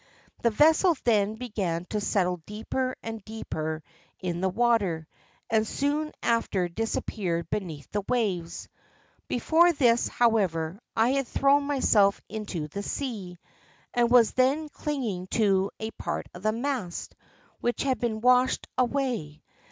The vessel then began to settle deeper and deeper in the water, and soon after disappeared beneath the waves. Before this, however, I had thrown myself into the sea, and was then clinging to a part of the mast, which had been washed away.